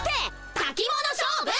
たき物勝負！